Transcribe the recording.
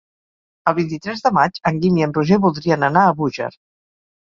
El vint-i-tres de maig en Guim i en Roger voldrien anar a Búger.